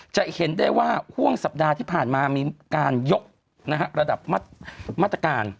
จะเห็นได้ว่าห่วงสัปดาห์ที่ผ่านมามีการยกระดับมาตรการ